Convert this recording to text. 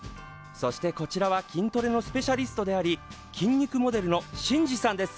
そしてこちらは筋トレのスペシャリストであり筋肉モデルのシンジさんです。